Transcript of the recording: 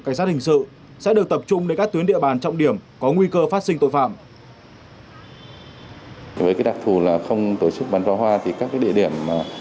cảnh sát hình sự sẽ được tập trung đến các tuyến địa bàn trọng điểm có nguy cơ phát sinh tội phạm